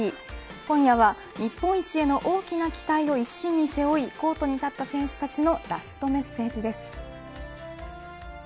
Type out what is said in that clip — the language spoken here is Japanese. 今夜は日本一への大きな期待を一身に背負いコートに立った選手たちのＬａｓｔＭｅｓｓａｇｅです。